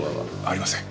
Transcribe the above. ありません。